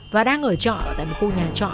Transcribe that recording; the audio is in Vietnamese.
và đang ở trọ tại một khu nhà trọ